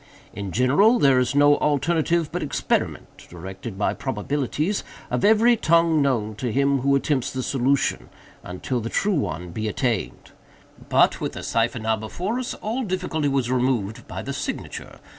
In general, there is no alternative but experiment (directed by probabilities) of every tongue known to him who attempts the solution, until the true one be attained. But, with the cipher now before us, all difficulty was removed by the signature.